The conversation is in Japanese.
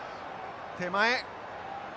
手前。